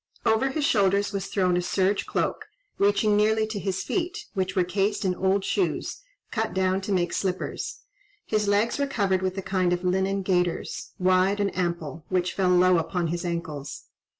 Over his shoulders was thrown a serge cloak, reaching nearly to his feet, which were cased in old shoes, cut down to make slippers; his legs were covered with a kind of linen gaiters, wide and ample, which fell low upon his ankles.